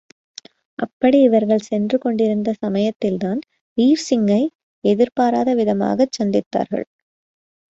அப்படி இவர்கள் சென்றுகொண்டிருந்த சமயத்தில்தான் வீர்சிங்கை எதிர்பாராத விதமாகச் சந்தித்தார்கள்.